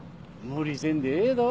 無理せんでええど。